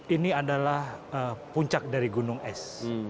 ini adalah puncak dari gunung es